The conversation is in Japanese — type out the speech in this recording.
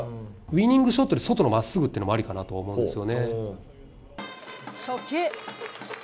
ウイニングショットで外のまっすぐっていうのもありかなと思うん初球。